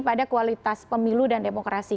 pada kualitas pemilu dan demokrasi